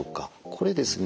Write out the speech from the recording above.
これですね